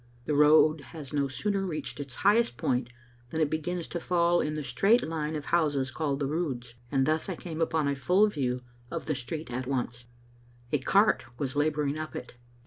The road has no sooner reached its highest point than it begins to fall in the straight line of houses called the Roods, and thus I came upon a full view of the street at once. A cart was laboring up it.